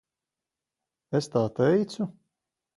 Es tā teicu?